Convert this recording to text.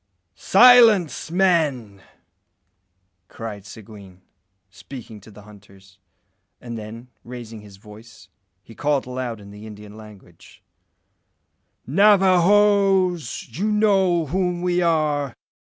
"Silence, men!" cried Seguin, speaking to the hunters; and then, raising his voice, he called aloud in the Indian language "Navajoes! you know whom we are.